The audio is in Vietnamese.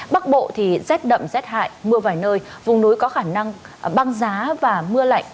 bắc bộ thì rét đậm rét hại mưa vài nơi vùng núi có khả năng băng giá và mưa lạnh